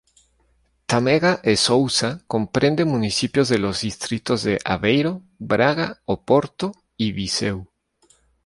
Tâmega e Sousa comprende municipios de los distritos de Aveiro, Braga, Oporto y Viseu.